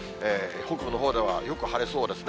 北部のほうでは、よく晴れそうですね。